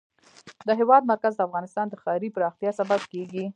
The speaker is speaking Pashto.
د هېواد مرکز د افغانستان د ښاري پراختیا سبب کېږي.